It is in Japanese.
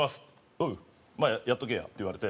「おうまあやっとけや」って言われて。